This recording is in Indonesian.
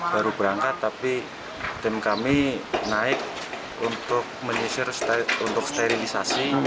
baru berangkat tapi tim kami naik untuk menyisir untuk sterilisasi